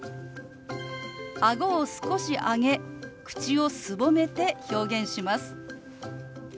あごを少し上げ口をすぼめて表現します。